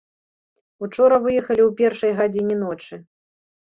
Учора выехалі ў першай гадзіне ночы.